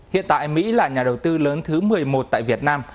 hiện tại mỹ là nhà đầu tư lớn thứ một mươi một tại việt nam